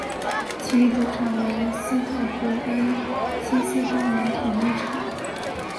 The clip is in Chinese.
其主场为斯特伯恩希思公园体育场。